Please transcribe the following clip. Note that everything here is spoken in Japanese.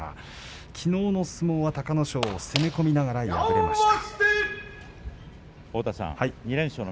きのうの相撲は隆の勝を攻め込みながら破りました。